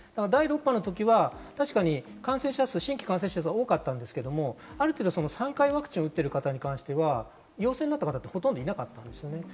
６波の時は確かに新規感染者数が多かったんですが、ある程度、３回ワクチンを打っている方は陽性になった方はほとんどいなかったんです。